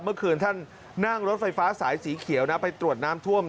เมื่อคืนท่านนั่งรถไฟฟ้าสายสีเขียวนะไปตรวจน้ำท่วม